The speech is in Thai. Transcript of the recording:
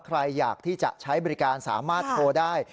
ใครอยากที่จะใช้บริการสามารถโทรได้